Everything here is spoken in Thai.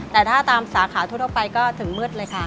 แต่ถ้าตามสาขาทั่วไปก็ถึงมืดเลยค่ะ